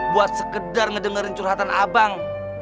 buat sekedar ngedengerin curhatan abang